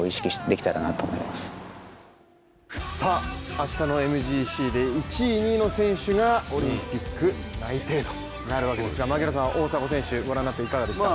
明日のＭＧＣで１位、２位の選手がオリンピック内定となるわけですが大迫選手、ご覧になっていかがですか？